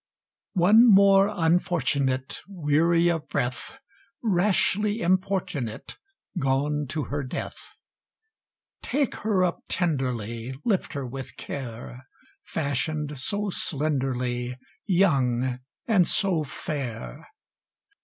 One more Unfortunate, Weary of breath, Rashly importunate, Gone to her death! Take her up tenderly, Lift her with care; Fashion'd so slenderly, Young, and so fair!